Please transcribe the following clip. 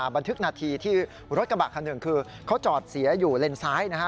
บันทึกนาทีที่รถกระบะคันหนึ่งคือเขาจอดเสียอยู่เลนซ้ายนะฮะ